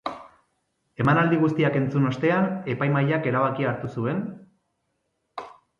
Emanaldi guztiak entzun ostean, epaimahaiak erabakia hartu zuen.